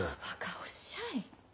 ばかおっしゃい。